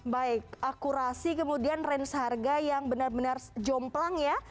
baik akurasi kemudian range harga yang benar benar jomplang ya